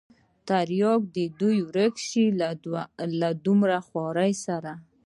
ترياک دې ورک سي له دومره خوارۍ سره.